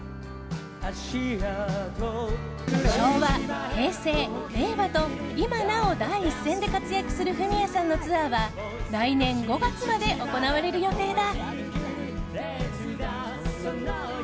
昭和、平成、令和と今なお第一線で活躍するフミヤさんのツアーは来年５月まで行われる予定だ。